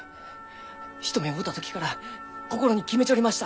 一目会うた時から心に決めちょりました。